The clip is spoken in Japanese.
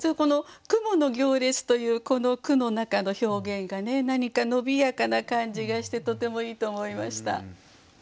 「雲の行列」というこの句の中の表現がね何か伸びやかな感じがしてとてもいいと思いました。